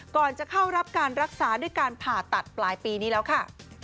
ก่อนจะเข้ารับการรักษาด้วยการผ่าตัดปลายปีนี้แล้วค่ะ